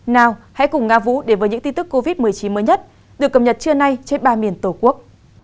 nào hãy cùng nga vũ đến với những tin tức covid một mươi chín mới nhất được cập nhật trưa nay trên ba miền tổ quốc